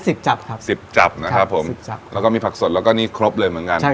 เส้น๑๐จับครับ๑๐จับนะครับผมแล้วก็มีผักสดแล้วก็นี่ครบเลยเหมือนกัน